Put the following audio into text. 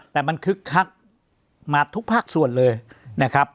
แต่มันคึกคักมาทุกภาคส่วนเลยนะครับ